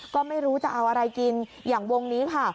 ก็ไม่รู้จะเอาอะไรกินอย่างวงนี้ค่ะ